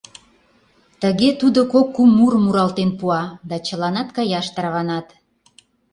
Тыге тудо кок-кум мурым муралтен пуа, да чыланат каяш тарванат.